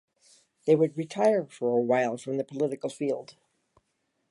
They would retire for a while from the political field.